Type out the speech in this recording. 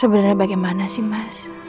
sebenernya bagaimana sih mas